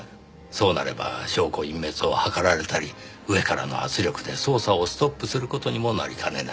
そうなれば証拠隠滅を図られたり上からの圧力で捜査をストップする事にもなりかねない。